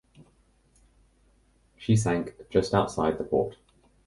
She sank just outside the port.